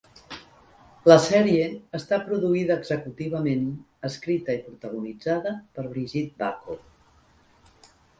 La sèrie està produïda executivament, escrita i protagonitzada per Brigitte Bako.